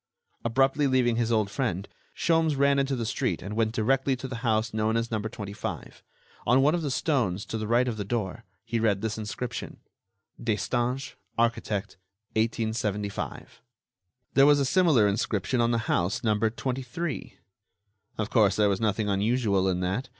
Abruptly leaving his old friend, Sholmes ran into the street and went directly to the house known as number 25. On one of the stones, to the right of the door, he read this inscription: "Destange, architect, 1875." There was a similar inscription on the house numbered 23. Of course, there was nothing unusual in that.